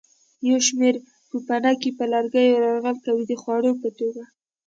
یو شمېر پوپنکي پر لرګیو یرغل کوي د خوړو په توګه.